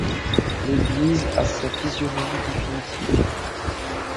L’église a sa physionomie définitive.